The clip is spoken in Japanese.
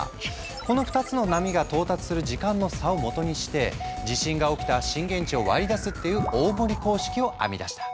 この２つの波が到達する時間の差をもとにして地震が起きた震源地を割り出すという「大森公式」を編み出した。